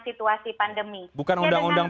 situasi pandemi bukan undang undang